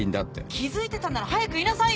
気付いてたなら早く言いなさいよ！